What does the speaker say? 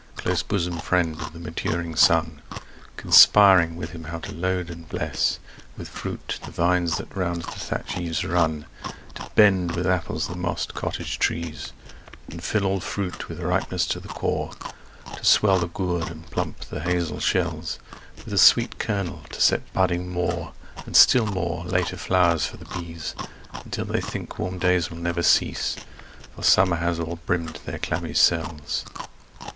Close bosom friend of the maturing sun; Conspiring with him how to load and bless With fruit the vines that round the thatch eaves run; To bend with apples the moss'd cottage trees, And fill all fruit with ripeness to the core; To swell the gourd, and plump the hazel shells With a sweet kernel; to set budding more, And still more, later flowers for the bees, Until they think warm days will never cease, For Summer has o'er brimm'd their clammy cells.